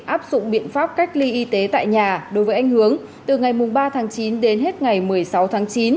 áp dụng biện pháp cách ly y tế tại nhà đối với anh hướng từ ngày ba tháng chín đến hết ngày một mươi sáu tháng chín